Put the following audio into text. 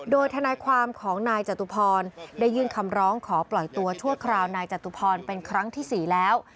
โดยทนายความของนายจตุพรได้ยื่นคำร้องขอปล่อยตัวชั่วคราวนายจตุพรเป็นครั้งที่๔แล้ว